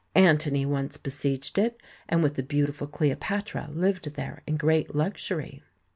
Antony once besieged it, and with the beautiful Cleopatra lived there in great luxury.